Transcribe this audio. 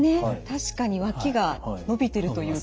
確かに脇が伸びてるというか。